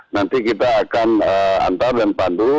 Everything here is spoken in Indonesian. nanti kita akan antar dan pandu